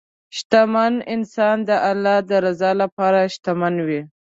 شتمن انسان د الله د رضا لپاره شتمن وي.